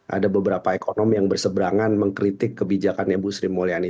ada beberapa ekonomi yang bersebrangan mengkritik kebijakan ibu sri mulyani